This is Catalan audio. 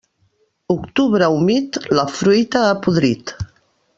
Octubre humit, la fruita ha podrit.